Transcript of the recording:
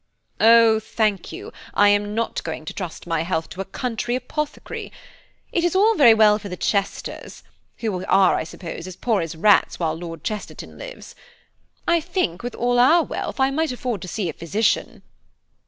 "Oh, thank you, I am not going to trust my health to a country apothecary. It is all very well for the Chesters, who are, I suppose, as poor as rats while Lord Chesterton lives. I think, with all our wealth, I might afford to see a physician."